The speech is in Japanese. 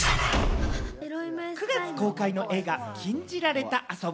９月公開の映画『禁じられた遊び』。